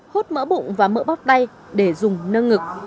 hút mỡ bụng và mỡ bắp tay để dùng nâng ngực